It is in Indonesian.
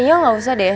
kayaknya gak usah deh